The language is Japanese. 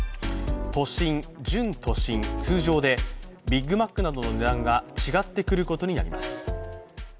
都心、準都心、通常でビッグマックなどの値段が違ってくることになります。